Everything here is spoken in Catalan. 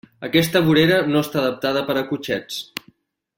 Aquesta vorera no està adaptada per a cotxets.